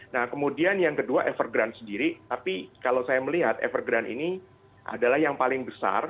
nah kemudian yang kedua evergrant sendiri tapi kalau saya melihat evergrant ini adalah yang paling besar